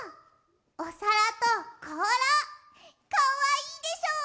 おさらとこうらかわいいでしょう？